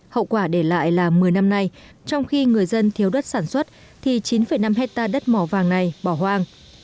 hậu quả để lại là một mươi năm nay trong khi người dân thiếu đất sản xuất thì chín năm hectare đất mỏ vàng này bỏ hoang